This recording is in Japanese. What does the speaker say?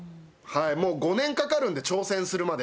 もう５年かかるんで、挑戦するまで。